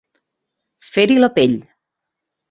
Fer-hi la pell.